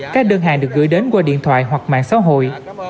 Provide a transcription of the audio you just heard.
các đơn hàng được gửi đến qua điện thoại hoặc mạng xã hội